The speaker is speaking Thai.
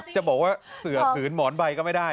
จะบอกว่าเสือผืนหมอนใบก็ไม่ได้